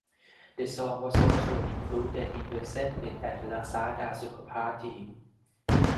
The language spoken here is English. The song was also included in her setlist at the Lazada Super Party.